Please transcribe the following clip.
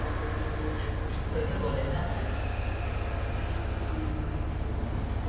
そいじゃあごめんなさい。